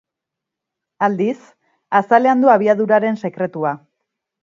Aldiz, azalean du abiaduraren sekretua.